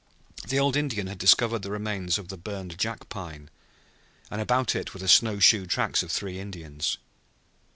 The old Indian had discovered the remnants of the burned jackpine, and about it were the snow shoe tracks of three Indians.